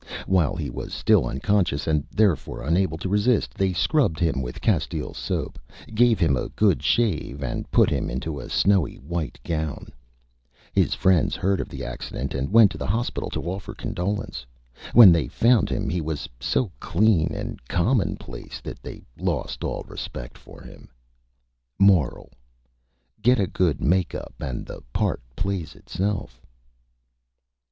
While he was still Unconscious, and therefore unable to Resist, they Scrubbed him with Castile Soap, gave him a good Shave, and put him into a snowy white Gown. His Friends heard of the Accident, and went to the Hospital to offer Condolence. When they found him he was so Clean and Commonplace that they lost all Respect for him. MORAL: _Get a good Make Up and the Part plays itself.